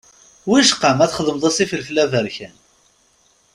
Wicqa ma txedmeḍ-as ifelfel aberkan.